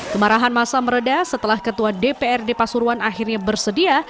kemarahan masa meredah setelah ketua dprd pasuruan akhirnya bersedia